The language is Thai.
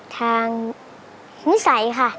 ทางนิสัยค่ะ